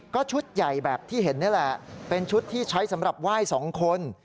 ก็ชุดใหญ่แบบที่เห็นนี่แหละเป็นชุดที่ใช้สำหรับไหว้สองคน